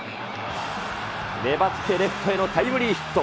粘ってレフトへのタイムリーヒット。